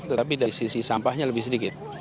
tetapi dari sisi sampahnya lebih sedikit